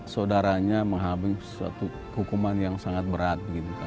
saudaranya menghabis suatu hukuman yang sangat berat